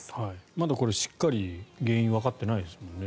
まだこれ、しっかり原因わかってないですもんね。